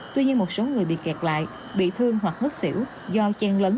tuy nhiên một số người bị kẹt lại bị thương hoặc ngất xỉu do chen lấn